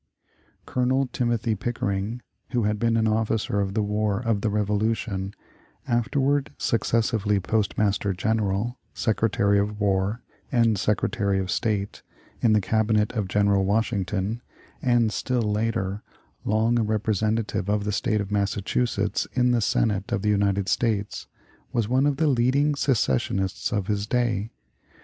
Colonel Timothy Pickering, who had been an officer of the war of the Revolution, afterward successively Postmaster General, Secretary of War, and Secretary of State, in the Cabinet of General Washington, and, still later, long a representative of the State of Massachusetts in the Senate of the United States, was one of the leading secessionists of his day.